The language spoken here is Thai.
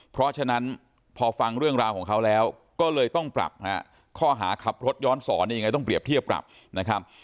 เพราะฉะนั้นพอฟังเรื่องราวของเขาแล้วก็เลยต้องปรับฮะข้อหาขับรถย้อนสอนยังไงต้องเรียบเทียบปรับนะครับ